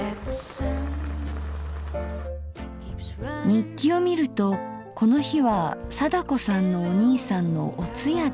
日記を見るとこの日は貞子さんのお兄さんのお通夜でした。